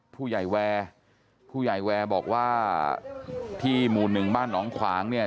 ผู้ใหญ่แวร์ผู้ใหญ่แวร์บอกว่าที่หมู่หนึ่งบ้านหนองขวางเนี่ย